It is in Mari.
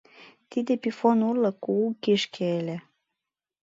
Тиде пифон урлык кугу кишке ыле.